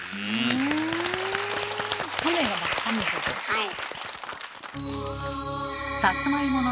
はい。